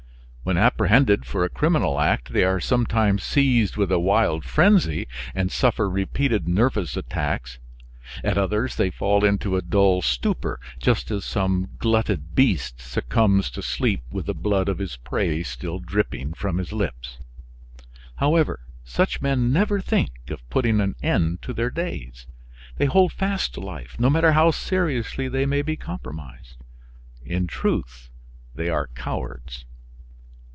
When apprehended for a criminal act, they are sometimes seized with a wild frenzy and suffer repeated nervous attacks; at others they fall into a dull stupor, just as some glutted beast succumbs to sleep with the blood of his prey still dripping from his lips. However, such men never think of putting an end to their days. They hold fast to life, no matter how seriously they may be compromised. In truth, they are cowards.